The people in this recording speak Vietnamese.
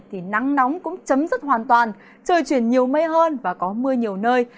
thì nắng nóng cũng chấm dứt hoàn toàn trời chuyển nhiều mây hơn và có mưa nhiều nơi